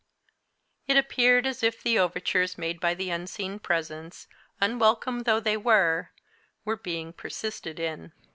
It appeared as if the overtures made by the unseen presence, unwelcome though they were, were being persisted in.